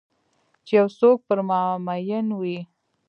چې یو څوک پر مامین وي